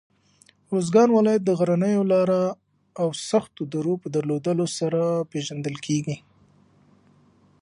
اروزګان ولایت د غرنیو لاره او سختو درو په درلودلو سره پېژندل کېږي.